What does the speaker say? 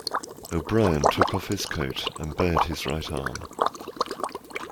O'Brien took off his coat and bared his right arm.